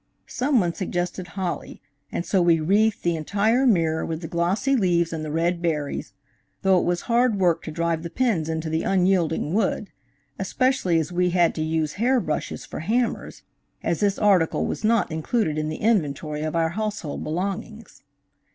Someone suggested holly, and so we wreathed the entire mirror with the glossy leaves and the red berries, tho' it was hard work to drive the pins into the unyielding wood, especially as we had to use hair brushes for hammers, as this article was not included in the inventory of our household belongings.